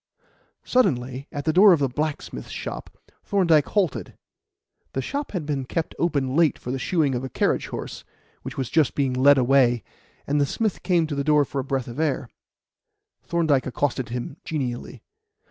Suddenly, at the door of a blacksmith's shop, Thorndyke halted. The shop had been kept open late for the shoeing of a carriage horse, which was just being led away, and the smith had come to the door for a breath of air. Thorndyke accosted him genially.